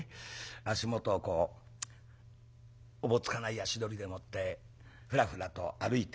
足元をこうおぼつかない足取りでもってふらふらと歩いてくる。